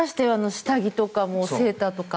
下着とかセーターとか。